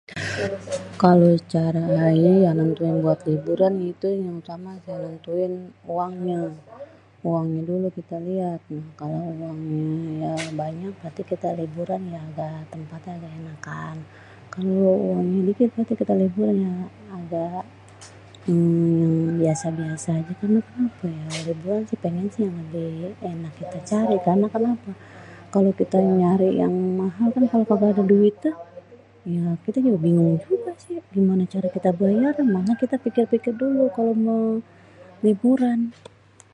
kalo cara ayé nentuin buat liburan tu yang utama nentuin uangnyê.. uangnyê dulu kita liat.. nah kalo uangnyê ya banyak nanti kita liburan ya tempatnya yang enakan.. kalo uangnya dikit nanti kita liburannya agak uhm biasa-biasa aja.. liburan sih pengennya sih yang lebih enak kita cari.. karena kenapa kalo kita nyari yang mahal kan kalo kagak ada duitnya ya kita juga bingung juga sih gimana cara kita bayarnya.. mangkanya kita pikir-pikir dulu mau liburan..